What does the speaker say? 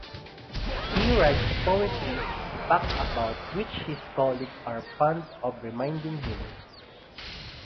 He writes poetry, a fact about which his colleagues are fond of reminding him.